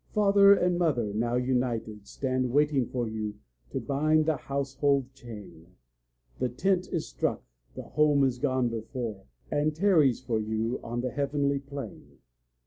Father and mother, now united, stand Waiting for you to bind the household chain; The tent is struck, the home is gone before, And tarries for you on the heavenly plain.